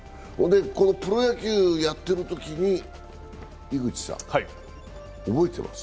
プロ野球をやってるときに井口さん、覚えてます？